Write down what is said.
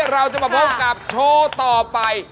เราจะมาพบกับโชว์ต่อไป